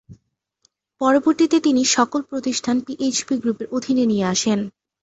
পরবর্তীতে তিনি সকল প্রতিষ্ঠান পিএইচপি গ্রুপের অধীনে নিয়ে আসেন।